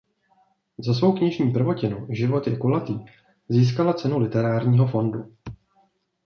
Za svou knižní prvotinu Život je kulatý získala Cenu literárního fondu.